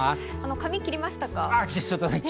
髪切りましたか？